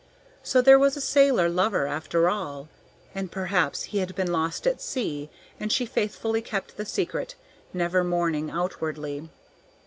So there was a sailor lover after all, and perhaps he had been lost at sea and she faithfully kept the secret, never mourning outwardly.